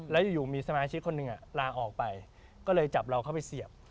แล้วอยู่มีสมาชิกคนหนึ่งลาออกไปก็เลยจับเราเข้าไปเสียบ